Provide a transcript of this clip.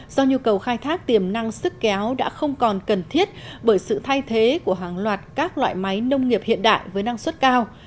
do nhu cầu khai thác tiềm năng sức kéo đã không còn cần thiết bởi sự thay thế của hàng loạt các loại máy nông nghiệp hiện đại với năng suất cao